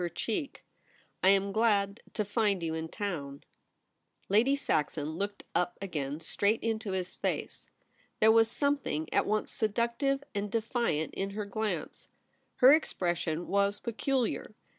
39 her cheek. ' I am glad to find you in town/ Lady Saxon looked up again straight into his face. There was something at once seductive and defiant in her glance. Her ex pression was peculiar.